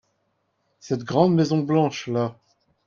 Cette grande maison blanche-là.